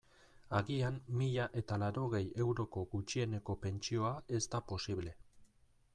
Agian mila eta laurogei euroko gutxieneko pentsioa ez da posible.